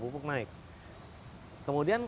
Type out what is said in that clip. pupuk naik kemudian